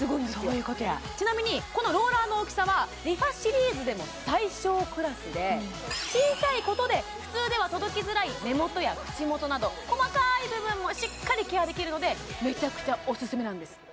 そういうことやちなみにこのローラーの大きさはＲｅＦａシリーズでも最小クラスで小さいことで普通では届きづらい目元や口元など細かい部分もしっかりケアできるのでめちゃくちゃおすすめなんです